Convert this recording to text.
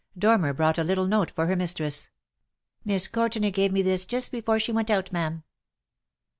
Dormer brought a little note for her mistress. " Miss Courtenay gave me this just before she went out; ma'am.